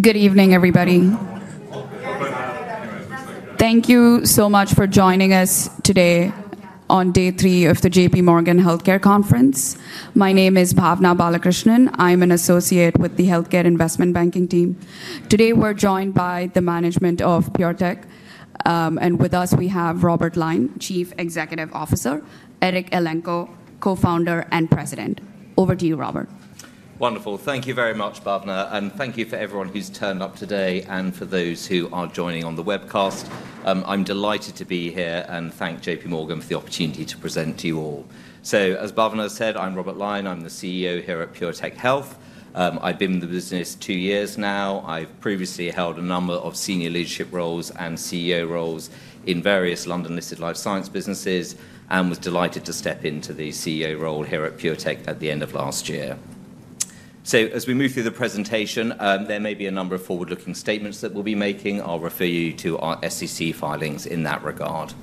Good evening, everybody. Thank you so much for joining us today on day three of the J.P. Morgan Healthcare Conference. My name is Bhavna Balakrishnan. I'm an associate with the Healthcare Investment Banking team. Today we're joined by the management of PureTech. And with us, we have Robert Lyne, Chief Executive Officer, Eric Elenko, Co-founder and President. Over to you, Robert. Wonderful. Thank you very much, Bhavna, and thank you for everyone who's turned up today and for those who are joining on the webcast. I'm delighted to be here and thank J.P. Morgan for the opportunity to present to you all, so as Bhavna said, I'm Robert Lyne. I'm the CEO here at PureTech Health. I've been in the business two years now. I've previously held a number of senior leadership roles and CEO roles in various London-listed life science businesses and was delighted to step into the CEO role here at PureTech at the end of last year, so as we move through the presentation, there may be a number of forward-looking statements that we'll be making. I'll refer you to our SEC filings in that regard,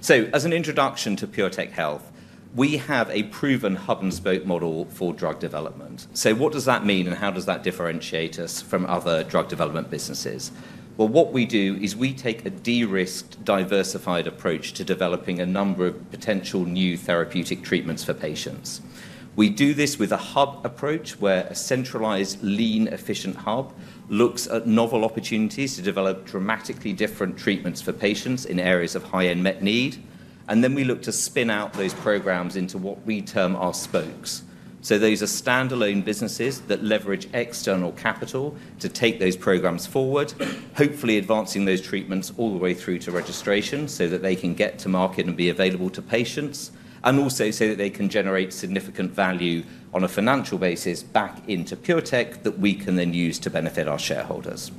so as an introduction to PureTech Health, we have a proven hub-and-spoke model for drug development. What does that mean and how does that differentiate us from other drug development businesses? What we do is we take a de-risked, diversified approach to developing a number of potential new therapeutic treatments for patients. We do this with a hub approach where a centralized, lean, efficient hub looks at novel opportunities to develop dramatically different treatments for patients in areas of high unmet need. We look to spin out those programs into what we term our spokes. Those are standalone businesses that leverage external capital to take those programs forward, hopefully advancing those treatments all the way through to registration so that they can get to market and be available to patients, and also so that they can generate significant value on a financial basis back into PureTech that we can then use to benefit our shareholders.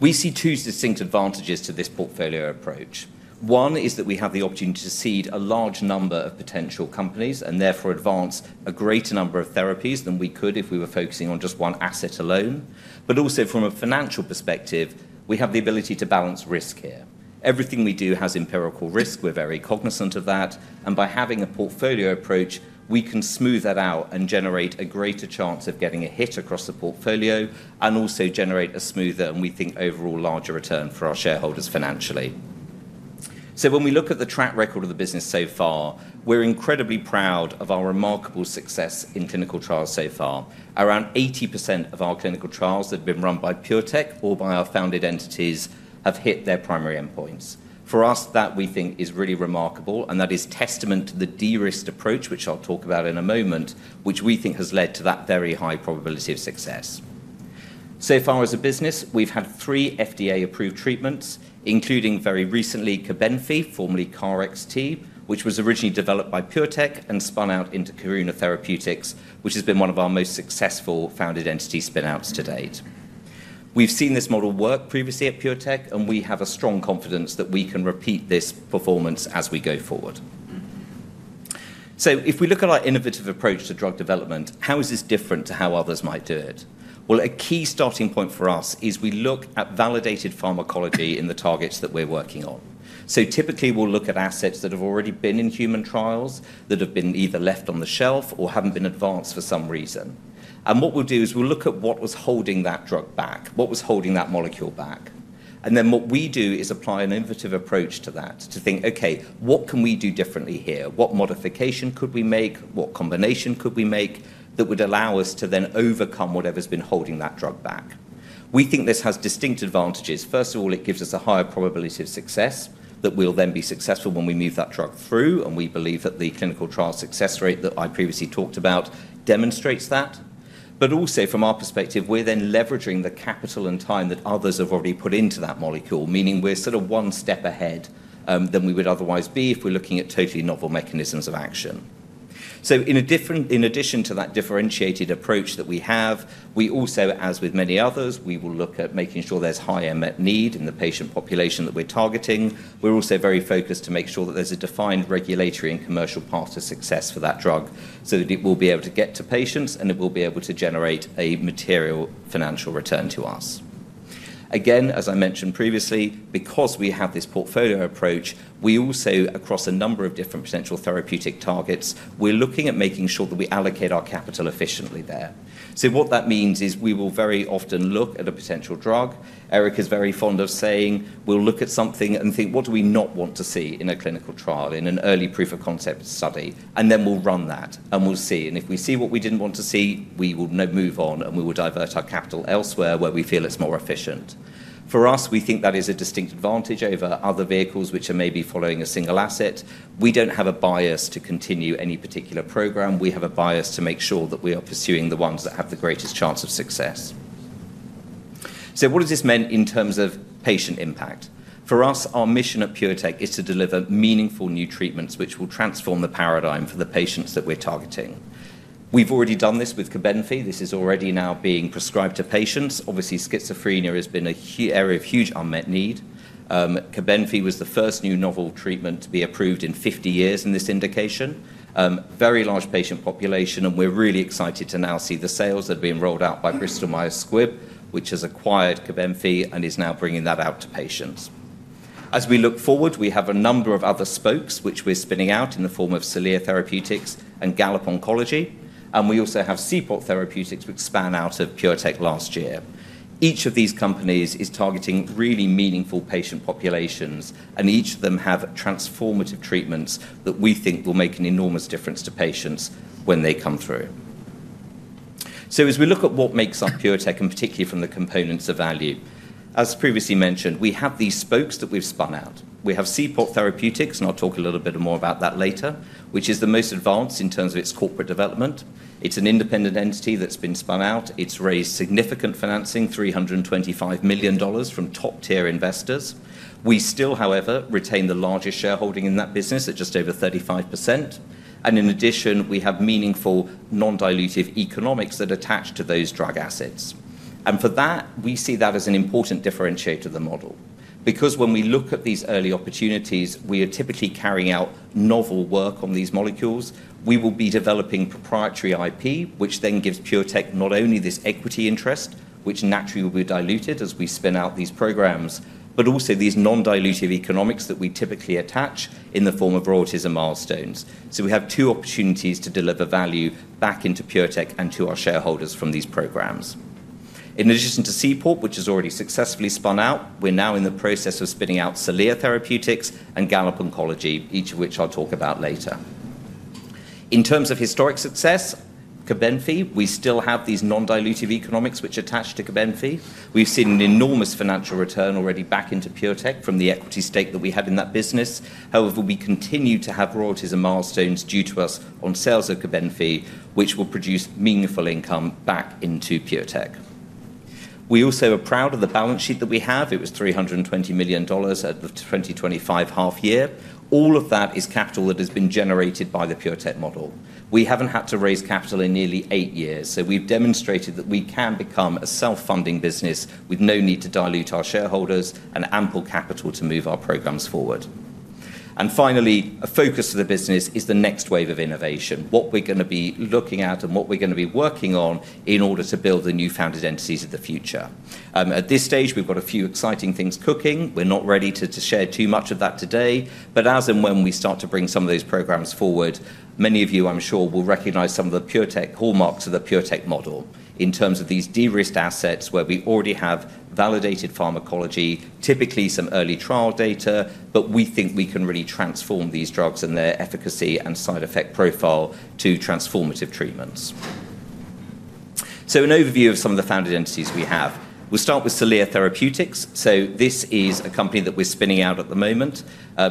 We see two distinct advantages to this portfolio approach. One is that we have the opportunity to seed a large number of potential companies and therefore advance a greater number of therapies than we could if we were focusing on just one asset alone. But also, from a financial perspective, we have the ability to balance risk here. Everything we do has empirical risk. We're very cognizant of that. And by having a portfolio approach, we can smooth that out and generate a greater chance of getting a hit across the portfolio and also generate a smoother and, we think, overall larger return for our shareholders financially. So, when we look at the track record of the business so far, we're incredibly proud of our remarkable success in clinical trials so far. Around 80% of our clinical trials that have been run by PureTech or by our founded entities have hit their primary endpoints. For us, that we think is really remarkable, and that is testament to the de-risked approach, which I'll talk about in a moment, which we think has led to that very high probability of success. So far, as a business, we've had three FDA-approved treatments, including very recently Cobenfy, formerly KarXT, which was originally developed by PureTech and spun out into Karuna Therapeutics, which has been one of our most successful founded entity spinouts to date. We've seen this model work previously at PureTech, and we have a strong confidence that we can repeat this performance as we go forward. If we look at our innovative approach to drug development, how is this different to how others might do it? A key starting point for us is we look at validated pharmacology in the targets that we're working on. So, typically, we'll look at assets that have already been in human trials, that have been either left on the shelf or haven't been advanced for some reason. And what we'll do is we'll look at what was holding that drug back, what was holding that molecule back. And then what we do is apply an innovative approach to that to think, okay, what can we do differently here? What modification could we make? What combination could we make that would allow us to then overcome whatever's been holding that drug back? We think this has distinct advantages. First of all, it gives us a higher probability of success that we'll then be successful when we move that drug through. We believe that the clinical trial success rate that I previously talked about demonstrates that. Also, from our perspective, we're then leveraging the capital and time that others have already put into that molecule, meaning we're sort of one step ahead than we would otherwise be if we're looking at totally novel mechanisms of action. In addition to that differentiated approach that we have, we also, as with many others, we will look at making sure there's high unmet need in the patient population that we're targeting. We're also very focused to make sure that there's a defined regulatory and commercial path to success for that drug so that it will be able to get to patients and it will be able to generate a material financial return to us. Again, as I mentioned previously, because we have this portfolio approach, we also, across a number of different potential therapeutic targets, we're looking at making sure that we allocate our capital efficiently there. So, what that means is we will very often look at a potential drug. Eric is very fond of saying, we'll look at something and think, what do we not want to see in a clinical trial, in an early proof of concept study? And then we'll run that and we'll see. And if we see what we didn't want to see, we will move on and we will divert our capital elsewhere where we feel it's more efficient. For us, we think that is a distinct advantage over other vehicles which are maybe following a single asset. We don't have a bias to continue any particular program. We have a bias to make sure that we are pursuing the ones that have the greatest chance of success. So, what does this mean in terms of patient impact? For us, our mission at PureTech is to deliver meaningful new treatments which will transform the paradigm for the patients that we're targeting. We've already done this with Cobenfy. This is already now being prescribed to patients. Obviously, schizophrenia has been an area of huge unmet need. Cobenfy was the first new novel treatment to be approved in 50 years in this indication. Very large patient population, and we're really excited to now see the sales that have been rolled out by Bristol Myers Squibb, which has acquired Cobenfy and is now bringing that out to patients. As we look forward, we have a number of other spokes which we're spinning out in the form of Celea Therapeutics and Gallop Oncology. And we also have Seaport Therapeutics, which spun out of PureTech last year. Each of these companies is targeting really meaningful patient populations, and each of them have transformative treatments that we think will make an enormous difference to patients when they come through. So, as we look at what makes up PureTech, and particularly from the components of value, as previously mentioned, we have these spokes that we've spun out. We have Seaport Therapeutics, and I'll talk a little bit more about that later, which is the most advanced in terms of its corporate development. It's an independent entity that's been spun out. It's raised significant financing, $325 million from top-tier investors. We still, however, retain the largest shareholding in that business at just over 35%. And in addition, we have meaningful non-dilutive economics that attach to those drug assets. And for that, we see that as an important differentiator of the model. Because when we look at these early opportunities, we are typically carrying out novel work on these molecules. We will be developing proprietary IP, which then gives PureTech not only this equity interest, which naturally will be diluted as we spin out these programs, but also these non-dilutive economics that we typically attach in the form of royalties and milestones. So, we have two opportunities to deliver value back into PureTech and to our shareholders from these programs. In addition to Seaport, which has already successfully spun out, we're now in the process of spinning out Celea Therapeutics and Gallop Oncology, each of which I'll talk about later. In terms of historic success, Cobenfy, we still have these non-dilutive economics which attach to Cobenfy. We've seen an enormous financial return already back into PureTech from the equity stake that we had in that business. However, we continue to have royalties and milestones due to us on sales of Cobenfy, which will produce meaningful income back into PureTech. We also are proud of the balance sheet that we have. It was $320 million at the 2025 half-year. All of that is capital that has been generated by the PureTech model. We haven't had to raise capital in nearly eight years. So, we've demonstrated that we can become a self-funding business with no need to dilute our shareholders and ample capital to move our programs forward. Finally, a focus of the business is the next wave of innovation, what we're going to be looking at and what we're going to be working on in order to build the new founded entities of the future. At this stage, we've got a few exciting things cooking. We're not ready to share too much of that today. As and when we start to bring some of those programs forward, many of you, I'm sure, will recognize some of the PureTech hallmarks of the PureTech model in terms of these de-risked assets where we already have validated pharmacology, typically some early trial data, but we think we can really transform these drugs and their efficacy and side effect profile to transformative treatments. An overview of some of the founded entities we have. We'll start with Celea Therapeutics. This is a company that we're spinning out at the moment.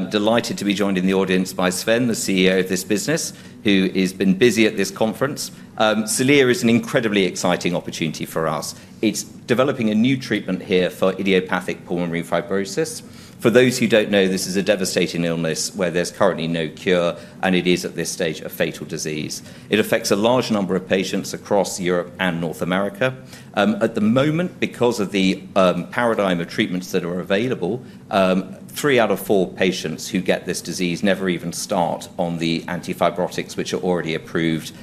Delighted to be joined in the audience by Sven, the CEO of this business, who has been busy at this conference. Celea is an incredibly exciting opportunity for us. It's developing a new treatment here for idiopathic pulmonary fibrosis. For those who don't know, this is a devastating illness where there's currently no cure, and it is at this stage a fatal disease. It affects a large number of patients across Europe and North America. At the moment, because of the paradigm of treatments that are available, three out of four patients who get this disease never even start on the antifibrotics, which are already approved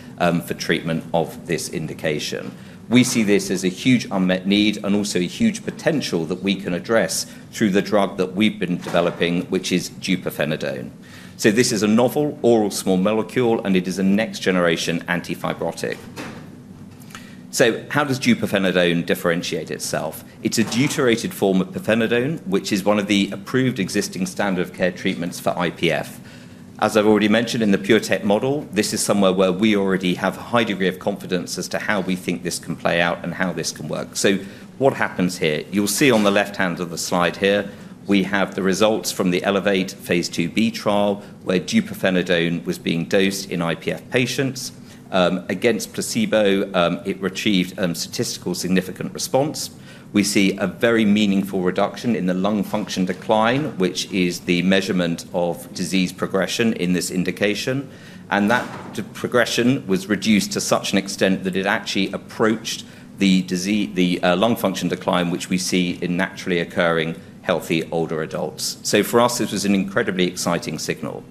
for treatment of this indication. We see this as a huge unmet need and also a huge potential that we can address through the drug that we've been developing, which is deupirfenidone. This is a novel oral small molecule, and it is a next-generation antifibrotic. How does deupirfenidone differentiate itself? It's a deuterated form of pirfenidone, which is one of the approved existing standard of care treatments for IPF. As I've already mentioned in the PureTech model, this is somewhere where we already have a high degree of confidence as to how we think this can play out and how this can work. What happens here? You'll see on the left hand of the slide here, we have the results from the Elevate phase II-B trial where deupirfenidone was being dosed in IPF patients. Against placebo, it achieved statistical significant response. We see a very meaningful reduction in the lung function decline, which is the measurement of disease progression in this indication. That progression was reduced to such an extent that it actually approached the lung function decline, which we see in naturally occurring healthy older adults. So, for us, this was an incredibly exciting signal.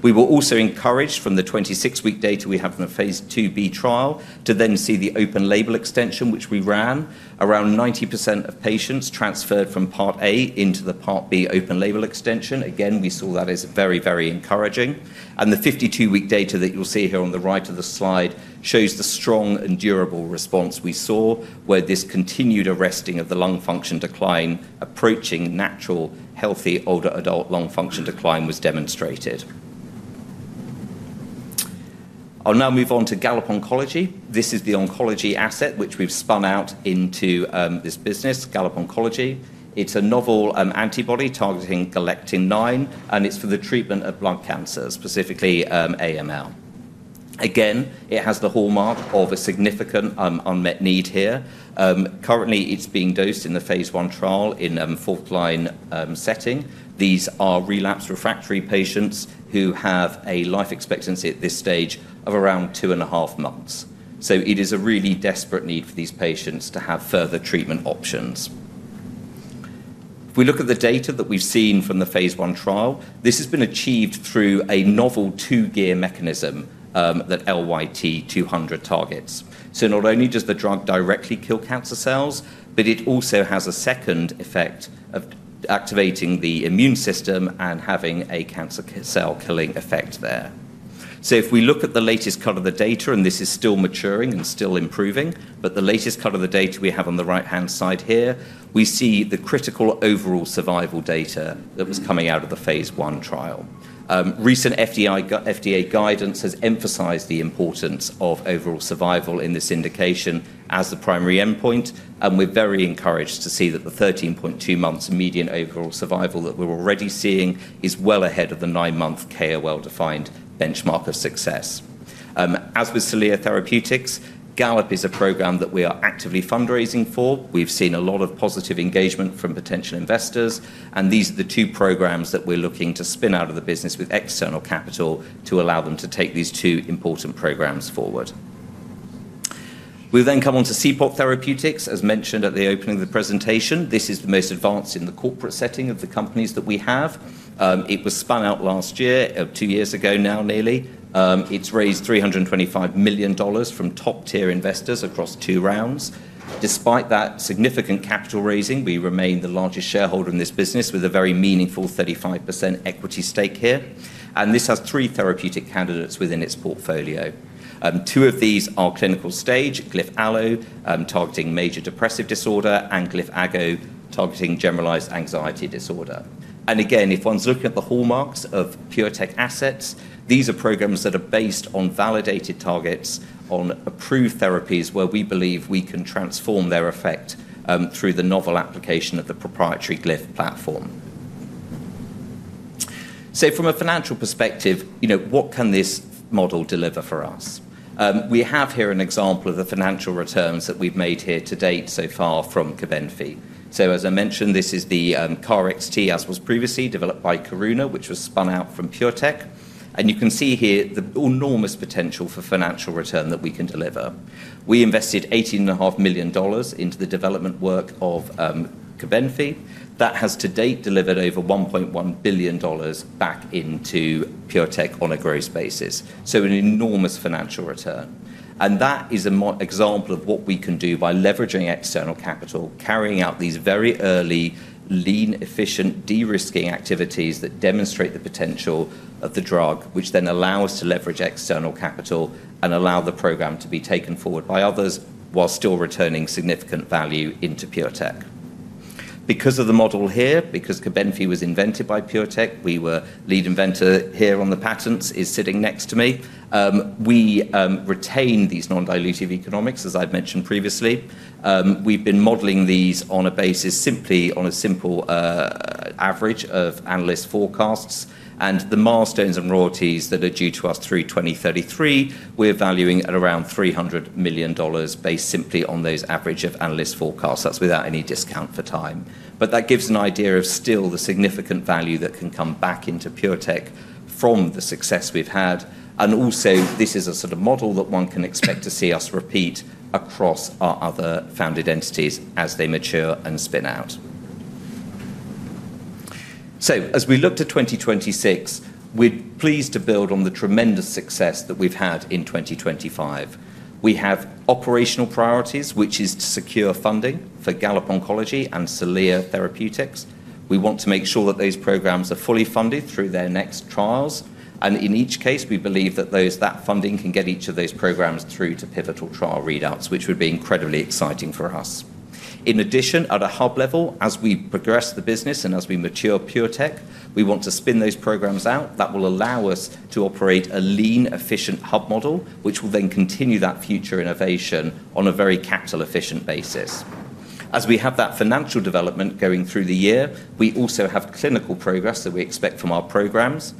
We were also encouraged from the 26-week data we have from the phase II-B trial to then see the open label extension, which we ran. Around 90% of patients transferred from Part A into the Part B open label extension. Again, we saw that as very, very encouraging. The 52-week data that you'll see here on the right of the slide shows the strong and durable response we saw where this continued arresting of the lung function decline approaching natural healthy older adult lung function decline was demonstrated. I'll now move on to Gallop Oncology. This is the oncology asset which we've spun out into this business, Gallop Oncology. It's a novel antibody targeting Galectin-9, and it's for the treatment of lung cancers, specifically AML. Again, it has the hallmark of a significant unmet need here. Currently, it's being dosed in the phase I trial in a frontline setting. These are relapsed refractory patients who have a life expectancy at this stage of around two and a half months. So, it is a really desperate need for these patients to have further treatment options. If we look at the data that we've seen from the phase I trial, this has been achieved through a novel dual mechanism that LYT-200 targets. So, not only does the drug directly kill cancer cells, but it also has a second effect of activating the immune system and having a cancer cell-killing effect there. If we look at the latest cut of the data, and this is still maturing and still improving, but the latest cut of the data we have on the right-hand side here, we see the critical overall survival data that was coming out of the phase I trial. Recent FDA guidance has emphasized the importance of overall survival in this indication as the primary endpoint. We're very encouraged to see that the 13.2 months median overall survival that we're already seeing is well ahead of the nine-month KOL-defined benchmark of success. As with Celea Therapeutics, Gallop is a program that we are actively fundraising for. We've seen a lot of positive engagement from potential investors. These are the two programs that we're looking to spin out of the business with external capital to allow them to take these two important programs forward. We'll then come on to Seaport Therapeutics, as mentioned at the opening of the presentation. This is the most advanced in the corporate setting of the companies that we have. It was spun out last year, two years ago now nearly. It's raised $325 million from top-tier investors across two rounds. Despite that significant capital raising, we remain the largest shareholder in this business with a very meaningful 35% equity stake here, and this has three therapeutic candidates within its portfolio. Two of these are clinical stage, GlyphAllo, targeting major depressive disorder, and GlyphAgo, targeting generalized anxiety disorder, and again, if one's looking at the hallmarks of PureTech assets, these are programs that are based on validated targets on approved therapies where we believe we can transform their effect through the novel application of the proprietary Glyph platform, so, from a financial perspective, what can this model deliver for us? We have here an example of the financial returns that we've made here to date so far from Cobenfy. So, as I mentioned, this is the KarXT, as was previously developed by Karuna, which was spun out from PureTech. And you can see here the enormous potential for financial return that we can deliver. We invested $18.5 million into the development work of Cobenfy. That has to date delivered over $1.1 billion back into PureTech on a gross basis. So, an enormous financial return. And that is an example of what we can do by leveraging external capital, carrying out these very early, lean, efficient, de-risking activities that demonstrate the potential of the drug, which then allow us to leverage external capital and allow the program to be taken forward by others while still returning significant value into PureTech. Because of the model here, because Cobenfy was invented by PureTech, we were the lead inventor here on the patents. He is sitting next to me. We retain these non-dilutive economics, as I've mentioned previously. We've been modeling these on a basis, simply on a simple average of analyst forecasts, and the milestones and royalties that are due to us through 2033, we're valuing at around $300 million based simply on those average of analyst forecasts. That's without any discount for time, but that gives an idea of still the significant value that can come back into PureTech from the success we've had, and also, this is a sort of model that one can expect to see us repeat across our other founded entities as they mature and spin out. So, as we look to 2026, we're pleased to build on the tremendous success that we've had in 2025. We have operational priorities, which is to secure funding for Gallop Oncology and Celea Therapeutics. We want to make sure that those programs are fully funded through their next trials. And in each case, we believe that that funding can get each of those programs through to pivotal trial readouts, which would be incredibly exciting for us. In addition, at a hub level, as we progress the business and as we mature PureTech, we want to spin those programs out that will allow us to operate a lean, efficient hub model, which will then continue that future innovation on a very capital-efficient basis. As we have that financial development going through the year, we also have clinical progress that we expect from our programs.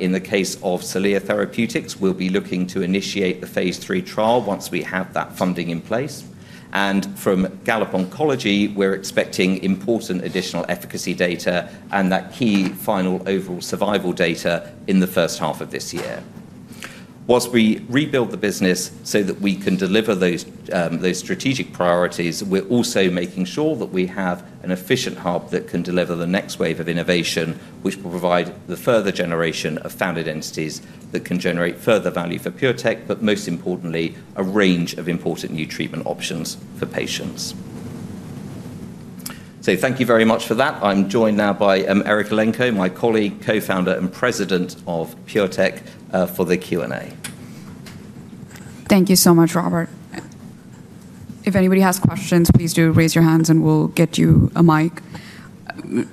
In the case of Celea Therapeutics, we'll be looking to initiate the phase III trial once we have that funding in place. From Gallop Oncology, we're expecting important additional efficacy data and that key final overall survival data in the first half of this year. While we rebuild the business so that we can deliver those strategic priorities, we're also making sure that we have an efficient hub that can deliver the next wave of innovation, which will provide the further generation of founded entities that can generate further value for PureTech, but most importantly, a range of important new treatment options for patients. Thank you very much for that. I'm joined now by Eric Elenko, my colleague, Co-founder and President of PureTech for the Q&A. Thank you so much, Robert. If anybody has questions, please do raise your hands and we'll get you a mic.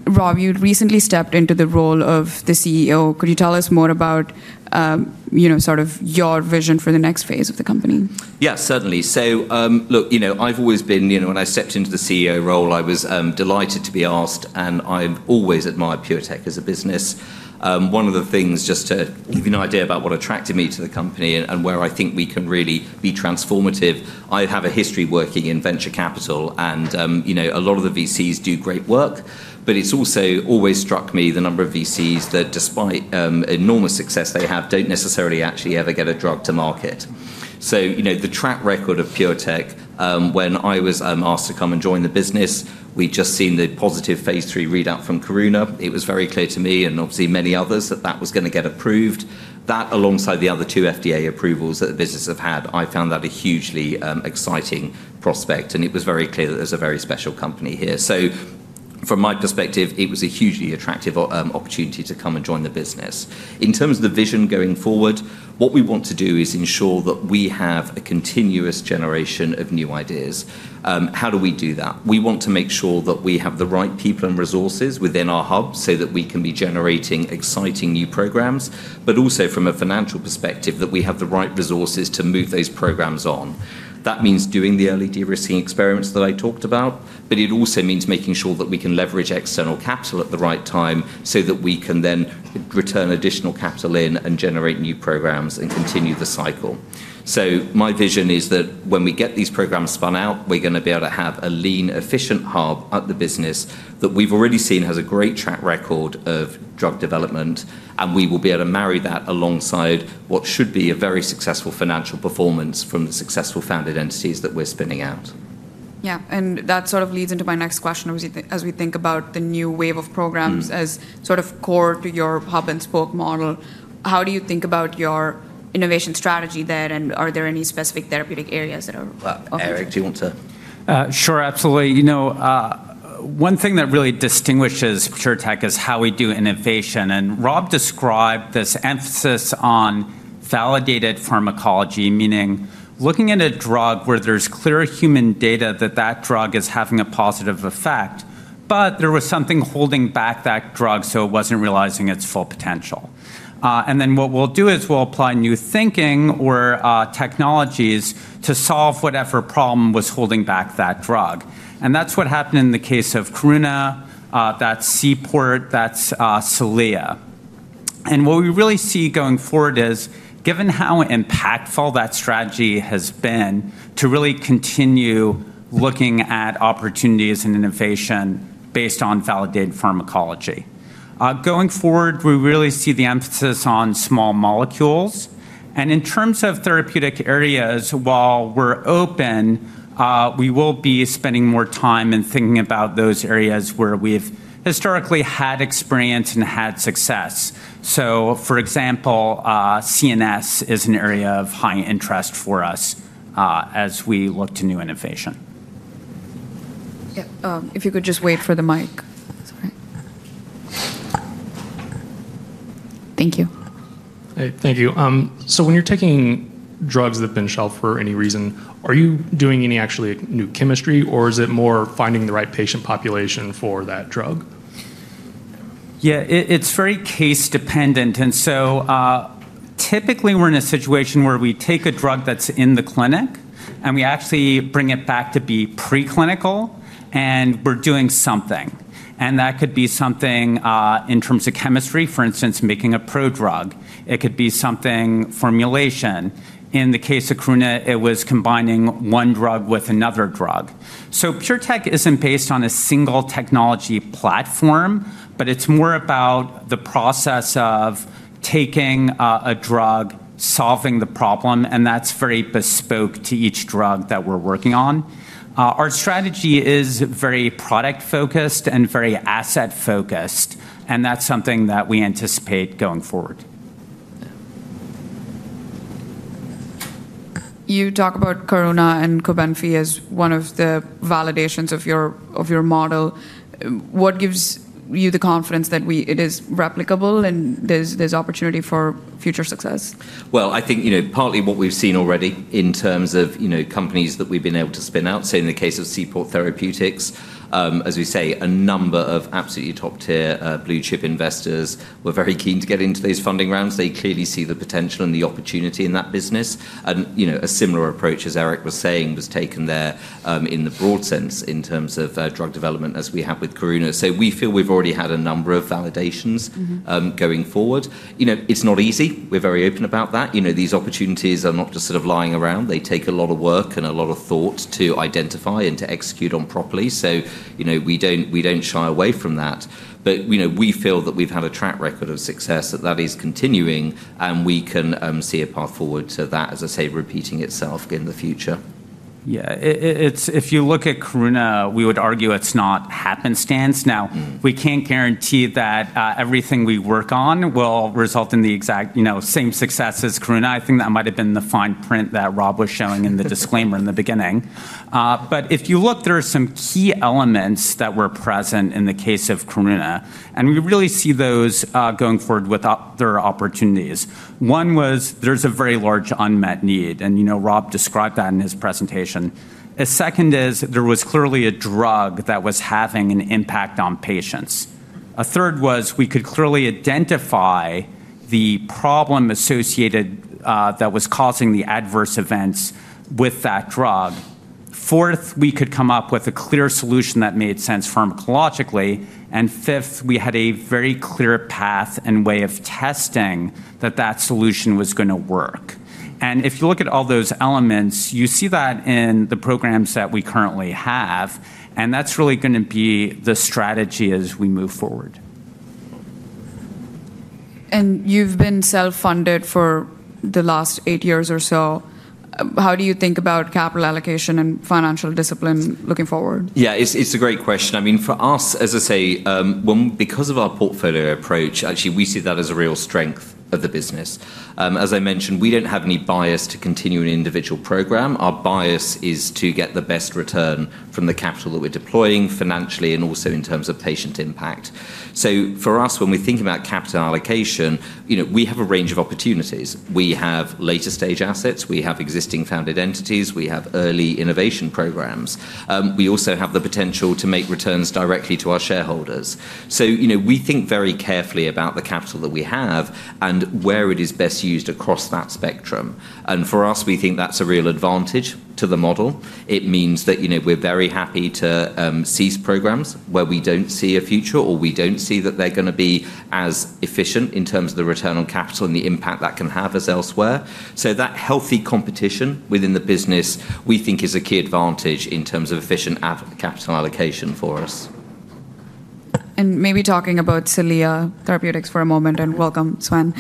Rob, you recently stepped into the role of the CEO. Could you tell us more about sort of your vision for the next phase of the company? Yeah, certainly, so look, I've always been, when I stepped into the CEO role, I was delighted to be asked, and I always admire PureTech as a business. One of the things, just to give you an idea about what attracted me to the company and where I think we can really be transformative, I have a history working in venture capital, and a lot of the VCs do great work, but it's also always struck me the number of VCs that, despite enormous success they have, don't necessarily actually ever get a drug to market, so the track record of PureTech, when I was asked to come and join the business, we'd just seen the positive phase III readout from Karuna. It was very clear to me and obviously many others that that was going to get approved. That, alongside the other two FDA approvals that the business have had, I found that a hugely exciting prospect. And it was very clear that there's a very special company here. So, from my perspective, it was a hugely attractive opportunity to come and join the business. In terms of the vision going forward, what we want to do is ensure that we have a continuous generation of new ideas. How do we do that? We want to make sure that we have the right people and resources within our hub so that we can be generating exciting new programs, but also from a financial perspective, that we have the right resources to move those programs on. That means doing the early de-risking experiments that I talked about, but it also means making sure that we can leverage external capital at the right time so that we can then return additional capital in and generate new programs and continue the cycle. So, my vision is that when we get these programs spun out, we're going to be able to have a lean, efficient hub at the business that we've already seen has a great track record of drug development, and we will be able to marry that alongside what should be a very successful financial performance from the successful founded entities that we're spinning out. Yeah, and that sort of leads into my next question. As we think about the new wave of programs as sort of core to your hub and spoke model, how do you think about your innovation strategy there, and are there any specific therapeutic areas that are of interest? Eric, do you want to? Sure, absolutely. One thing that really distinguishes PureTech is how we do innovation. And Rob described this emphasis on validated pharmacology, meaning looking at a drug where there's clear human data that that drug is having a positive effect, but there was something holding back that drug so it wasn't realizing its full potential. And then what we'll do is we'll apply new thinking or technologies to solve whatever problem was holding back that drug. And that's what happened in the case of Karuna, that's Seaport, that's Celea. And what we really see going forward is, given how impactful that strategy has been, to really continue looking at opportunities and innovation based on validated pharmacology. Going forward, we really see the emphasis on small molecules. And in terms of therapeutic areas, while we're open, we will be spending more time and thinking about those areas where we've historically had experience and had success. So, for example, CNS is an area of high interest for us as we look to new innovation. Yep, if you could just wait for the mic. Sorry. Thank you. Hey, thank you. So, when you're taking drugs that have been shelved for any reason, are you doing any actual new chemistry, or is it more finding the right patient population for that drug? Yeah, it's very case-dependent. And so, typically, we're in a situation where we take a drug that's in the clinic and we actually bring it back to be preclinical, and we're doing something. And that could be something in terms of chemistry, for instance, making a prodrug. It could be something formulation. In the case of Karuna, it was combining one drug with another drug. So, PureTech isn't based on a single technology platform, but it's more about the process of taking a drug, solving the problem, and that's very bespoke to each drug that we're working on. Our strategy is very product-focused and very asset-focused, and that's something that we anticipate going forward. You talk about Karuna and Cobenfy as one of the validations of your model. What gives you the confidence that it is replicable and there's opportunity for future success? I think partly what we've seen already in terms of companies that we've been able to spin out. In the case of Seaport Therapeutics, as we say, a number of absolutely top-tier blue-chip investors were very keen to get into these funding rounds. They clearly see the potential and the opportunity in that business. A similar approach, as Eric was saying, was taken there in the broad sense in terms of drug development, as we have with Karuna. We feel we've already had a number of validations going forward. It's not easy. We're very open about that. These opportunities are not just sort of lying around. They take a lot of work and a lot of thought to identify and to execute on properly. We don't shy away from that. But we feel that we've had a track record of success that is continuing, and we can see a path forward to that, as I say, repeating itself in the future. Yeah, if you look at Karuna, we would argue it's not happenstance. Now, we can't guarantee that everything we work on will result in the exact same success as Karuna. I think that might have been the fine print that Rob was showing in the disclaimer in the beginning. But if you look, there are some key elements that were present in the case of Karuna, and we really see those going forward with other opportunities. One was there's a very large unmet need, and Rob described that in his presentation. A second is there was clearly a drug that was having an impact on patients. A third was we could clearly identify the problem associated that was causing the adverse events with that drug. Fourth, we could come up with a clear solution that made sense pharmacologically. And fifth, we had a very clear path and way of testing that solution was going to work. And if you look at all those elements, you see that in the programs that we currently have, and that's really going to be the strategy as we move forward. You've been self-funded for the last eight years or so. How do you think about capital allocation and financial discipline looking forward? Yeah, it's a great question. I mean, for us, as I say, because of our portfolio approach, actually, we see that as a real strength of the business. As I mentioned, we don't have any bias to continue an individual program. Our bias is to get the best return from the capital that we're deploying financially and also in terms of patient impact. So, for us, when we're thinking about capital allocation, we have a range of opportunities. We have later-stage assets. We have existing founded entities. We have early innovation programs. We also have the potential to make returns directly to our shareholders. So, we think very carefully about the capital that we have and where it is best used across that spectrum, and for us, we think that's a real advantage to the model. It means that we're very happy to seize programs where we don't see a future or we don't see that they're going to be as efficient in terms of the return on capital and the impact that can have as elsewhere. So, that healthy competition within the business, we think, is a key advantage in terms of efficient capital allocation for us. Maybe talking about Celea Therapeutics for a moment, and welcome, Sven.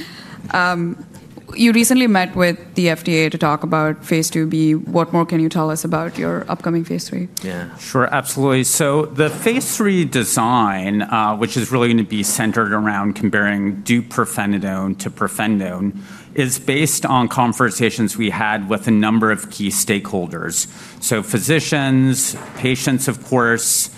You recently met with the FDA to talk about phase II-B. What more can you tell us about your upcoming phase III? Yeah, sure, absolutely. So, the phase III design, which is really going to be centered around comparing deupirfenidone to pirfenidone, is based on conversations we had with a number of key stakeholders. So, physicians, patients, of course,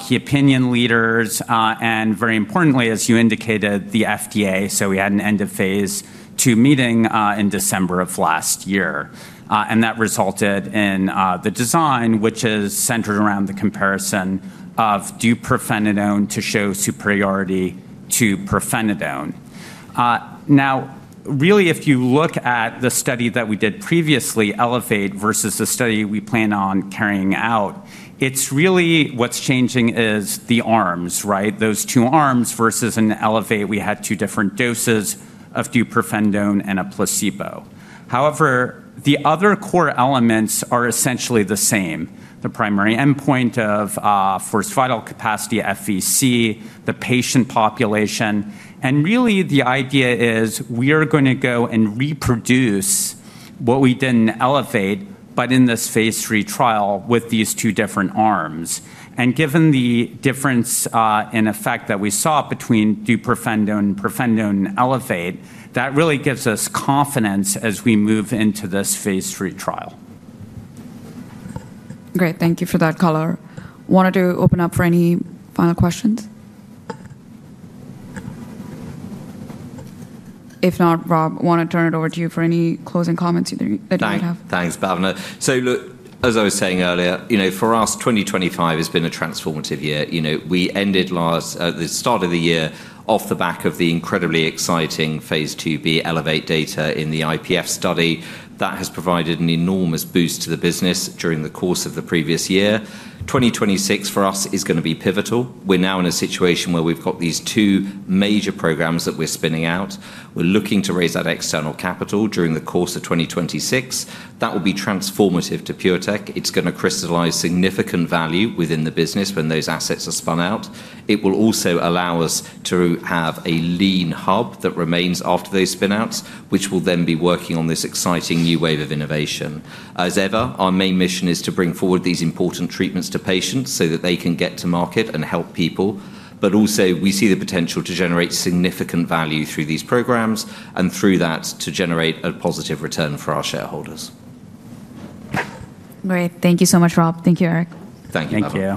key opinion leaders, and very importantly, as you indicated, the FDA. So, we had an end-of-phase II meeting in December of last year. And that resulted in the design, which is centered around the comparison of deupirfenidone to show superiority to pirfenidone. Now, really, if you look at the study that we did previously, Elevate, versus the study we plan on carrying out, it's really what's changing is the arms, right? Those two arms versus in Elevate, we had two different doses of deupirfenidone and a placebo. However, the other core elements are essentially the same. The primary endpoint of forced vital capacity, FVC, the patient population. Really, the idea is we are going to go and reproduce what we did in Elevate, but in this phase III trial with these two different arms. Given the difference in effect that we saw between deupirfenidone and pirfenidone and Elevate, that really gives us confidence as we move into this phase III trial. Great, thank you for that color. Wanted to open up for any final questions? If not, Rob, want to turn it over to you for any closing comments that you might have? Thanks, Bhavna. So, look, as I was saying earlier, for us, 2025 has been a transformative year. We ended last year at the start of the year off the back of the incredibly exciting phase II-B Elevate data in the IPF study. That has provided an enormous boost to the business during the course of the previous year. 2026 for us is going to be pivotal. We're now in a situation where we've got these two major programs that we're spinning out. We're looking to raise that external capital during the course of 2026. That will be transformative to PureTech. It's going to crystallize significant value within the business when those assets are spun out. It will also allow us to have a lean hub that remains after those spinouts, which will then be working on this exciting new wave of innovation. As ever, our main mission is to bring forward these important treatments to patients so that they can get to market and help people. But also, we see the potential to generate significant value through these programs and through that to generate a positive return for our shareholders. Great, thank you so much, Rob. Thank you, Eric. Thank you.